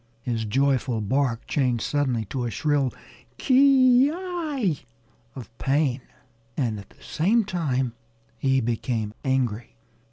His joyful bark changed suddenly to a shrill ki yi of pain. And at the same time he became angry.